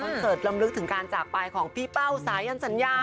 เสิร์ตลำลึกถึงการจากไปของพี่เป้าสายันสัญญา